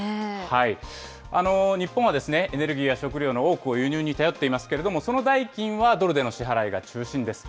日本はエネルギーや食料の多くを輸入に頼っていますけれども、その代金はドルでの支払いが中心です。